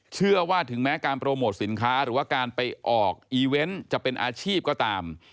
ถึงแม้การโปรโมทสินค้าหรือว่าการไปออกอีเวนต์จะเป็นอาชีพก็ตาม